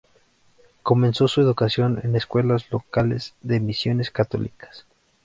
Comenzó su educación en escuelas locales de misiones católicas.